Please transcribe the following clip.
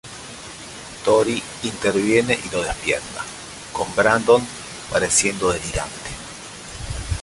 Tori interviene y lo despierta, con Brandon pareciendo delirante.